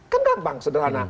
kan gampang sederhana